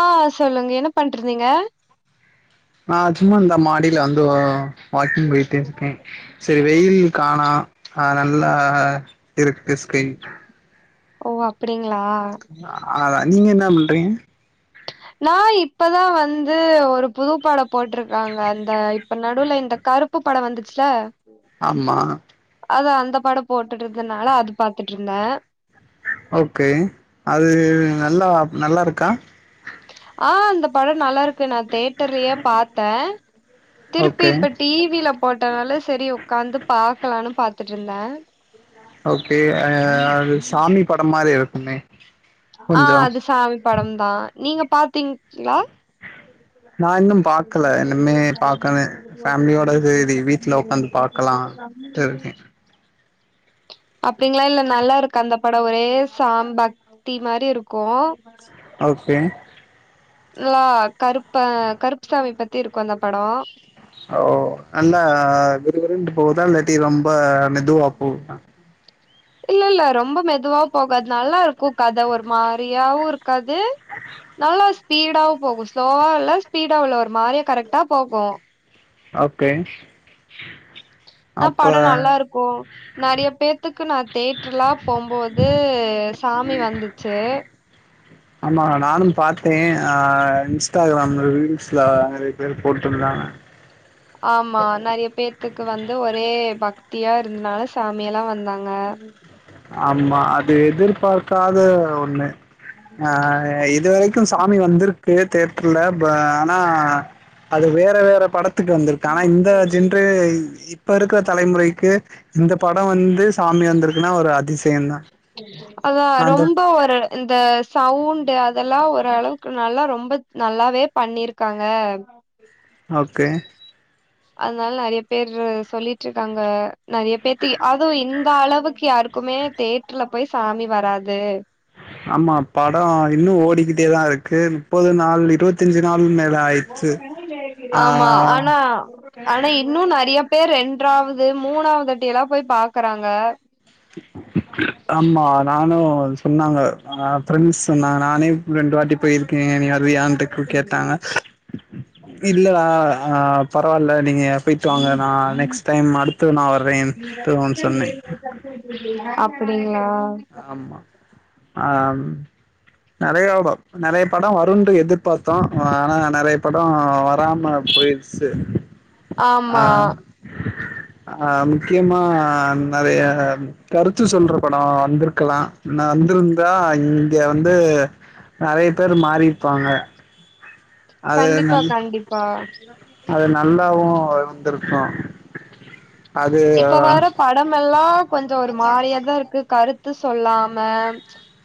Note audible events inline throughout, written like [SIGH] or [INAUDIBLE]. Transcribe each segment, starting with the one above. ஆ சொல்லுங்க என்ன பண்ட்ருந்தீங்க நா சும்மா இந்த மாடில வந்து வாக்கிங் போயிட்டு இருக்கே சரி வெயில் ப்ரானா அது நல்லா இருக்கு ஸ்கை ஒ அப்டிங்ளா ஆ நீங்க என்ன பண்றீங்க நா இப்பதா வந்து ஒரு புதுப்படொ போட்ருகாங்க அந்த இப்ப நடுல இந்த கருப்பு படொ வந்துச்சுல ஆமா அதா அந்த படொ போட்டுட் ருந்தனால அத பாத்துட்ருந்த ஒகே அது நல்லா நல்லா ருக்கா ஆ இந்த படொ நல்லாருக்கு நா தேட் டர்லயெ பாத்தே திருப்பி ஓகே இப்ப டீவில போட்டனால சரி உக்காந்து பாக்கலானு பாத்துட்ருந்த ஓகே ஆஆ அது சாமி படம் மாரி இருக்கும் மே அ அது சாமி படம் தா நீங்க பாத்தீங் ளா [INAUDIBLE] நா இன்னு பாக்கல இனிமே பாக்கணு க்லா தெரிக்கே அப்டிங்களா இல்ல நல்லாருக்கு அந்த படொ ஒரே சாம்பாக் த்தீ மாரி இருக்கு ஓக்கே லா கருப்ப கருப்புசாமி பத்தி இருக்கு அந்த படொ ஓ நல்லா விறுவிறுன்டு போகுதா இல்லாட்டி ரொம்ப மெதுவா போகுதா இல்லல்ல ரொம்ப மெதுவா போகாது நல்லா ருக்கும் கத ஒரு மாரியாவு இருக் காது நல்லா ஸ் ஸ்பீடாவு போகு ஸ்லோவா இல்ல ஸ்பீடா உள்ள ஒரு மாரியா கரெக்டா போகு ஓக்கே ந படொ நல்லார்க்கூ நெறய பேத்துக்கு நா தேட்ர்ல்லா போம்போது சாமி வந்துச்சு [INAUDIBLE] ஆமா நானு பாத்தே ஆ இன்ஸ்டாகிராம்ல்ல ரீல்ஸ்ல நெறைய பேரு போட்ருந்தாங்க ஆமா நறைய பேர் எனக்கு வந்து ஒரே பக்தியா இருந்தனால சாமியல்லா வந்தாங்க ஆமா அது எதுர்பாக்காத ஒண்ணு ஆ இதுவரைக்கு சாமி வந்துரு க்கு தேட்ருல்ல ப ஆனா அது வேற வேற படத் த்ட்டு வந்த்ருக்கு ஆனா இந்த ஜென்ரே ப் இப்ப இருக்கிற தலைமுறைக்கு இந்த படோ வந்து சாமி வந்த்ருக்குன்னா ஒரு அதிசயந்தா அதா அந்த ரொம்ப ஒரு இந்த சவுண்டு அதெல்லா ஒரளவுக்கு நல்லா ரொம்ப நல்லாவே பண்ணிருக்காங்க ஓகே அதனால நெறைய பேரு சொல்லிட்டு இருக்காங்க நிறைய பேத்திக் அதுவு இந்த அளவுக்கு யாருக்குமே தேட்டர்ல போய் சாமி வராது ஆமா படோ இன்னு ஓடிக்கிட்டே தா இருக்கு முப்பது நாள் இருவத் த்ஞ்சு நாள் மேல ஆயிருச்சு ஆ ஆ ஆனா இன்னு நெறய பேரூ ரெண்ட்ராவது மூணாவது தாட்டி எல்லா போய் பாக்குறாங்க ஆமா நானு சொன்னாங்க ஆ ஃப்ரண்ஸ் சொன்னாங்க நானே ரெண்டு வாட்டி போயிருக்கே நீ வர்ரீயான்னு கேட்டாங்க இல்லடா ஆ பரவால்ல நீங்க போய்ட்டு வாங்க நா நெக்ஸ்ட் டைம் அடுத் த்து நா வறேன் தூ ஒன் சொன்னே அப்டிங்களா ஆமா ஆ நெறயா ப் நெறய படோ வருண்ட்டு எதிர்பாத்தோ ஆனா நெறய படோ வராம போயிடூ சேரி ஆ ஆமா ஆ முக்கியமா நெறய கருத்து சொல்ற படோ வந்த்ருக் கலாம் ன்ன வந்திருந்தா இங்க வந்து நெறய பேர் மாறி இருப்பாங்க அது கண்டிப்பா நல் கண்டிப்பா. அது நல்லாவு இருந்துருக்கும் இப்ப வார ப டமெல்லா கொஞ்சோ ஒரு மாறியாதா இருக்கு கருத்து சொல்லாம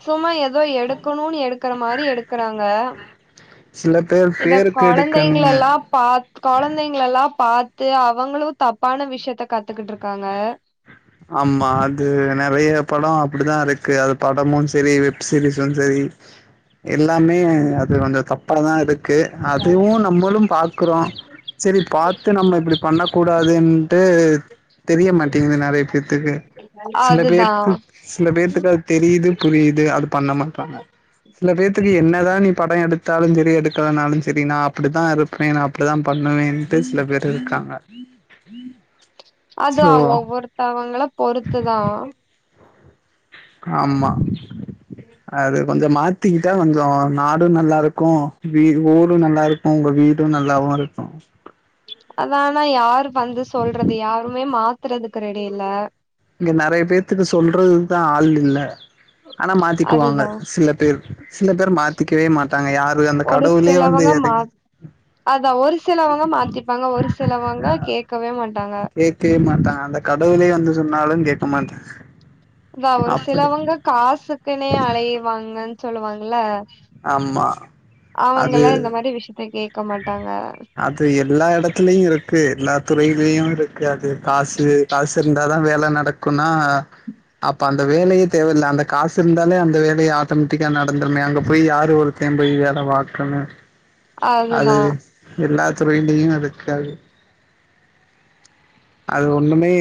சும்மா ஏதோ எடுக்கணுன்னு எடுக்கற மாரி எடுக்றாங்க சில பேர் இத பேருக்கு எடுக்குன்னு கொழந்தைங்களல்லா ப் பாத் கொழந்தைங்களல்லா பாத்து அவங்களும் தப்பான விஷயத்த கத்துக்கிட்டு இருக்காங்க ஆமா அது நிறைய படோ அப்டிதா இருக்கு அது படமு சரி வெப் சீரிஸு சரி எல்லாமே அது வந்து தப்பா தா இருக்கு இருக்கு அதுவும் நம்மளு பாக்குறோ சரி பாத்து நம்ம இப்படி பண்ண கூடாதுன்ட்டு தெரியமாட்டேங்குது நெறைய பேத்துக்கு சில பேரு அதுதான். சில பேத்தக்கு அது தெரியுது புரியுது அது பண்ண மாட்டாங்க சில பேத்துக்கு என்னதா நீ படோ எடுத்தாலு சரி எடுக்கலனாலு சரி நா அப்படிதா இரு ப்பே நா அப்டிதா பண்ணுவேன்ட்டு சில பேர் இருக்காங்க அது சோ ஒவ்வொருத்தவங்கள பொறுத்துதா ஆமா அது கொஞ்சோ மாத்திக்கிட்டா கொஞ்சோ நாடும் நல்லா இருக்கும் வீ ஊரும் நல்லா இருக்கும் உங்க வீடும் டும் நல்லாவு இருக்கும் அதா ஆனா யாரு வந்து சொல்றது யாருமே மாத்துறதுக்கு ரெடி இல்ல இங்க நறைய பேத்தக்கு சொல்றது தா ஆள் இல்ல ஆனா மாத்திக்குவாங்க அதுதான். சில பேர் சில பேர் மாத்திக்கவே மாட்டாங்க யாரு அந்த கடவுளயே வந்து எறங்கி அதா ஒரு சிலவங்க மாத்திப்பாங்க ஒரு சிலவங்க கேட்கவே மாட்டாங்க கேட்க மாட்டாங்க அந்த கடவுளே வந்து சொன்னாலு கேட்க மாட்டாங்க வா ஒரு அப்படி சிலவங்க காசுக்குன்னே அழைவாங்கன் சொல்லுவாங்கல்ல ஆமா அது அவங்களா இந்த மாரி விஷ்யத்த கேக்க மாட்டாங்க அது எல்லா எடத்துலயு இருக்கு எல்லா துறையிலயு இருக்கு அது காசு காசுருந்தாதா வேல நடக்குன்னா அப்ப அந்த வேலயே தேவல்ல அந்த காசு இருந்தாலே அந்த வேலயே ஆட்டோமெட்டிக்கா நடந்துருமே அங்க போய் யாரு ஒரு [UNINTELLIGIBLE] போய் வேல பாக்கண்ணு அதுதா அது எல்லா தொறையிலயு இருக்காது [UNINTELLIGIBLE] அது ஒண்ணுமே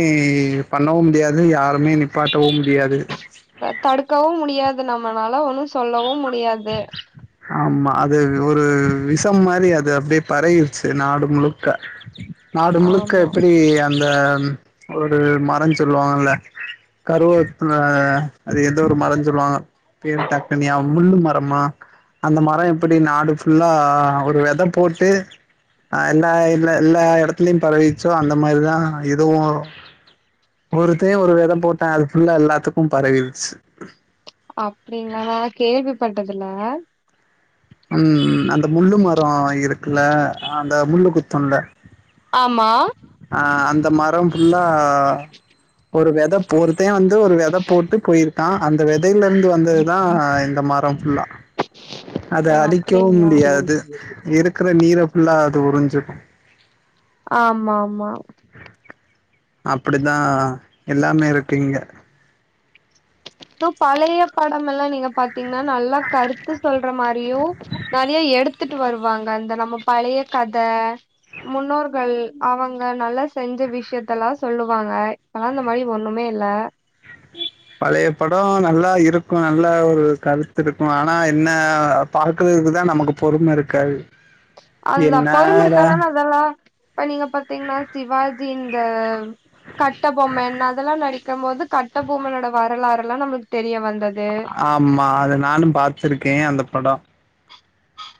பண்ணவு முடியாது யாருமே நிப்பாட்டவு முடியாது அ தடுக்கவு முடியாது நம்மனால ஒண்ணு சொல்லவு முடியாது ஆமா அது ஒரு விஷம் மாரி அது அப்டியே பரவிடுச்சு நாடு முழுக்கா நாடு முழுக்க ஆமா எப்பிடி அந்த ஒரு மரோ சொல்லுவாங்கல்ல கருவேப்புல்ல அ அது ஏதோ ஒரு மரோ சொல்லுவாங்க பேரு டக்குனு ஞாபகம் முள்ளு மாரி ஆமா அந்த மரோ எப்பிடி நாடு ஃபுல்லா ஒரு வெத போட்டு ஆ எல்லா எல்ல எல்லா எடத்துலயு பரவிச்சோ அந்த மாரிதா இதுவு ஒருத்தே ஒரு வெத போட்டா அது ஃபுள்ள எல்லாத்துக்கு பரவிடுச்சு அப்படிங்களா நா அத கேள்விப்பட்டதுல ம் ம் அந்த முள்ளு மரோ இருக்குல அந்த முள்ளு குத்துல்ல ஆமா ஆ அந்த மரம் ஃபுல்லா ஒரு வெத ஒருத்தே வந்து ஒரு வெத போட்டு போயிர் ட்டா அந்த வெதையிலருந்து வந்ததுதா இந்த மரம் ஃபுல்லா அத ஓ அழிக்கவு அப்டிங்களா முடியாது இருக்குற நீர ஃபுல்ல அது உரிஞ்சுக்கு ஆமாமா அப்டிதா எல்லாமே இருக்கு இங்க ட்டு பழைய படம்மெல்லா நீங்க பாத் தீங்னா நல்லா கருத்து சொல்ற மாரியு நறைய எடுத் துட்டு வருவாங்க அந்த நம்ம பழைய கத முன்னோர்கள் அவங்க நல்லா செஞ்ச விஷ்யத்தல்லா சொல்லுவாங்க ஆனா அந்த மாரி ஒண்ணுமே இல்ல பழைய படோ நல்லாருக்கு நல்ல ஒரு கருத்து இருக்கு ஆனா என்ன பாக்கறதுக்கு தா நமக்கு பொறுமருக்காது அதுதா பொறுமருக்காதனு அதெல்லா இப்ப நீங்க பாத்தீங்கன்னா சிவாஜின் த கட்ட பொம்மன் அதெல்லா நடிக்கும் போது கட்ட பொம்மனோட வரலாறுலா நம்மளுக்கு தெரிய வந்தது ஆமா அது நானு பாத்துருக்கே அந்த படோ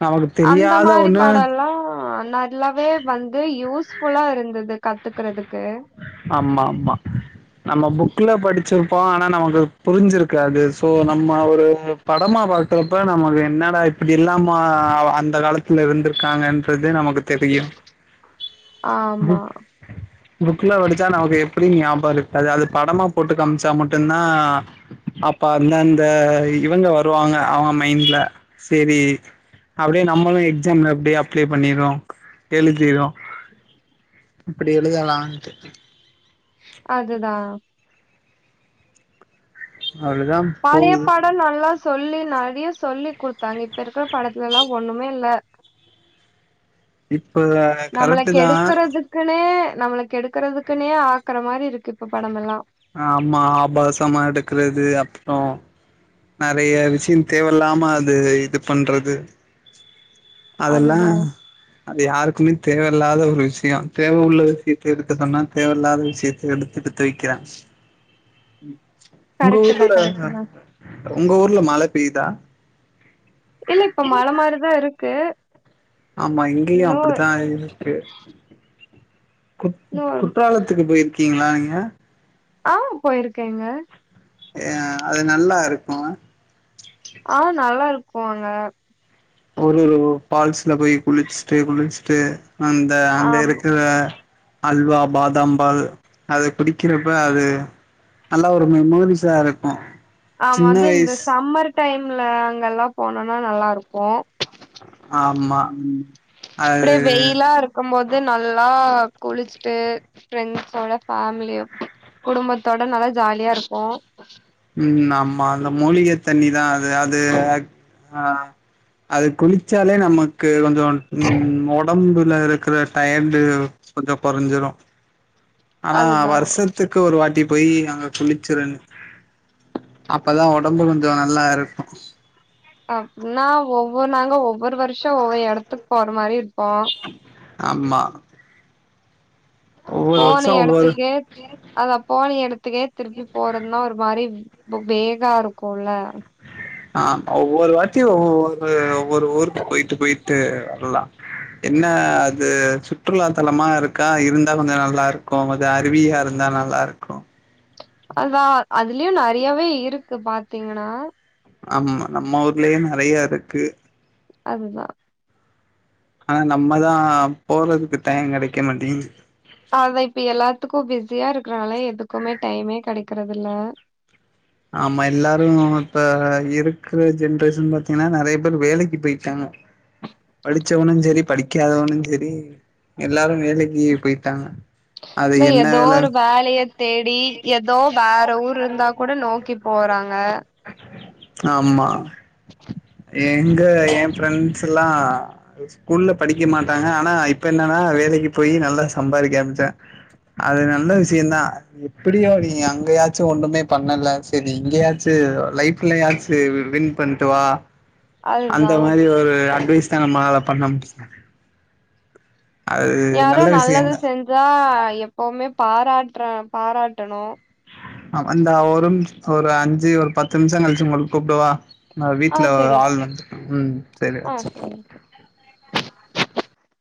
நமக்கு அந்த தெரியாத மாரி ஒண்ணு படோல்லா நல் லாவே வந்து யூஸ் ஃபுல்லா இருந்தது கத்துக்கறதுக்கு ஆமா ஆமா நம்ம புக்ல படிச்சிருப்போ ஆனா நமக்கு அது புரிஞ்சிருக்காது சோ நம்ம ஒரு படமா பாக்கறப்ப நமக்கு என்னடா இப்படியேல்லாமா அந்த காலத்துல இருந்துருக்காங்கன்றதே நமக்கு தெரியு ஆமா புக் புக்ல படிச்சா நமக்கு எப்டி ஞாபக இருக்காது அது படமா போட்டு காமிச்சா மட்டு தா அப்ப அந்தந்த இவ்ங்க வருவாங்க அவுங்க மைண்ட்ல செரி அப்டியே நம்மளு எக்ஸாம்ல அப்டியே அப்ளை பண்ணிறோ எழுதிறோ இப்டி எழுதலான்டு அதுதா அவ்ளோதா பழைய போகுது பாடோ நல்லா சொல்லி நறைய சொல்லி குடுத்தாங்க இப்ப இருக்குற படத்துலலா ஒண்ணுமே இல்ல இப்ப கரெக்டு தா க்குனே நம்மளுக்கு எடுக்கறதுக்குனே ஆக்குற மாரி இருக்கு இப்ப படமெல்லா ஆமா ஆபசமா எடுக்குறது அப்றோ நறைய விஷ்ய தேவயில்லாம அது இது பண்றது அதெல்லா அதுதா அது யாருக்குமே தேவயில்லாத ஒரு விஷ்ய தேவ உள்ள விஷ்யத்த எடுக்க சொன்னா தேவயில்லாத விஷ்யத்த எடு டுத்து வைக்கிறங்க உங்க கரெக்ட்டுதா ஊர்ல கரெக்ட்டுதா உங்க ஊர்ல மழ பெய்யுதா இல்ல இப்ப மழ மாரிதா இருக்கு ஆமா இங்கயு இன்னு அப்டித்தா இருக்கு குற் இன்னு குற்றாலத்துக்கு போய்ருக்கீங்களா நீங்க ஆ போய்ருக்கேங்க ஏ அது நல்லாருக்கு ஆ நல்லா இருக்கு அங்க ஒரு ஒரு பால்ஸ்ல போய் குளிச்சுட்டு குளிச்சுட்டு அ ந்த அங்க ஆம் இருக்குற அல்வா பாதாம் பால் அது குடிக்கிறப்ப அது நல்லா ஒரு மெமோரிஸா இருக்கு ஆமா சின்ன அது இந்த வயசு சம்மர் டைம்ல அங்கலா போனோனா நல்லாருக்கு ஆமா அப்டியே அது வெய்யிலாரு க்கு போது நல்லா குளிச்சுட்டு ஃபிரெண்ட்ஸோட ஃபேமிலியு குடும்பத்தோட நல்லா ஜாலியாருக்கு ம் ஆமா அந்த மூலிக தண்ணி தா அது அது ஆ அது குளிச்சாலே நமக்கு கொஞ்சோ ம் ஒடம்புல இருக்குற டயர்டு கொஞ்சோ கொறஞ்சிடு ஆனா அதுதா வர்ஷத்துக்கு ஒரு வாட்டி போய் அங்க குளிச்சிருன்னு அப்பதா ஒடம்பு கொஞ்சோ நல்லாருக்கு அப்புன்னா ஒவ்வொரு நாங்க ஒவ்வொரு வர்ஷ ஒவ்வொரு எடத்துக்கு போற மாரி இருப்போ ஆமா ஒவ்வொரு போன வருஷோ ஒவ்வொரு எடத்துக்கே அதா போன எடத்துக்கே திருப்பி போறதுன்னா ஒரு மாரி [INAUDIBLE] பேகா இருக்குல ஆ ஒவ்வொரு வாட்டியு ஒவ்வொரு ஒவ்வொரு ஊருக்கு போய்ட்டு போய்ட்டு வர்லா என்ன அது சுற்றுலாத்தலமா இருக்கா இருந்தா கொஞ்சோ நல்லாருக்கு இந்த அருவியா இருந்தா நல்லாருக்கு அதா அதுலியு நறையாவே இருக்கு பாத்தீங்கன்னா ஆமா நம்ம ஊர்லயே நெறைய இருக்கு அதுதா ஆனா நம்மதா போறதுக்கு டையோ கெடைக்க மாட்டீங்கிது அதா இப்ப எல்லாத்துக்கு பிஸியா இருக்கறனால எதுக்குமே டைமே கிடைக்கறிறது இல்ல ஆமா எல்லாரு இப்ப இருக்கற ஜென்ரேஷன் பாத்தீங்கன்னா நறைய பேர் வேலைக்கு போயிட்டாங்க படிச்சவனும் செரி படிக்காதவனும் செரி எல்லாரு வேலைக்கு போயிட்டாங்க அது இது என்ன எதோ ஒரு வேல வேலைய தேடி ஏதோ வேற ஊரு இருந்தா கூட நோக்கி போறாங்க ஆமா எங்க எயா ஃப்ரெண்ட்ஸ் எல்லா அது ஸ்கூல்ல படிக்க மாட்டாங்க ஆனா இப்ப என்னன்னா வேலைக்கு போய் நல்லா சம்பாதிக்க ஆரம்பிச்சா அது நல்ல விஷயந்தா எப்புடி அவிங்க அங்கயாச்சு ஒன்னுமே பண்ண பண்ணல செரி இங்கயாச்சி லைஃப்லயாச்சி வின் பண்ணட்டு வா அந்த அதுதா மாரி ஒரு அட்வைஸ் தா நம்மலால பண்ண முடிச்ச யாரோ நல்ல நல்லது விஷயந்தா செஞ்சா எப்பவுமே பாராட்ற பாராட்டணு அந்தா ஒரு நிம் ஒரு அஞ்சு ஒரு பத்து நிமிஷோ கழிச்சி உங்கள் கூப்டவா நா ஆ வீட்ல ஒரு செரி ஆள் வந்து ம் செரி ஆ செரிங்க வெச்சி